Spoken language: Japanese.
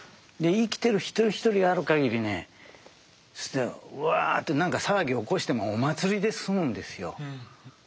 で生きてる一人一人あるかぎりねワーッてなんか騒ぎを起こしてもお祭りで済むんですよ。